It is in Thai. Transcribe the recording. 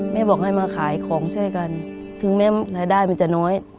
บอกให้มาขายของช่วยกันถึงแม้รายได้มันจะน้อย